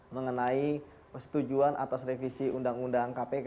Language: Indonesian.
mengenai persetujuan atas revisi undang undang kpk